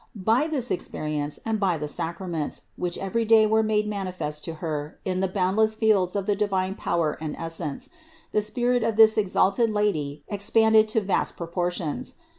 By this experience and by the sacraments, which every day were made manifest to Her in the boundless fields of the divine power and essence, the spirit of this exalted Lady expanded to vast propor tions.